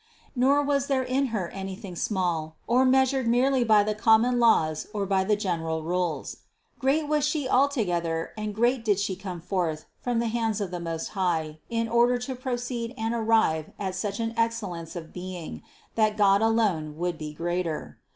Nor was there in Her anything small, or measured merely by the common laws or by the general rules. Great was She altogether and great did She come forth from the hands of the Most High in order to pro ceed and arrive at such an excellence of being, that God alone would be greater.